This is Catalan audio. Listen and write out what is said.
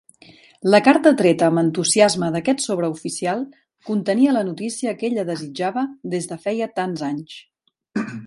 La carta treta amb entusiasme d'aquest sobre oficial contenia la notícia que ella desitjava des de feia tants anys.